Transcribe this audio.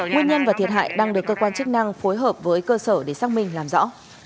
nguyên nhân và thiệt hại đang được cơ quan chức năng phối hợp với cơ sở để xác minh làm rõ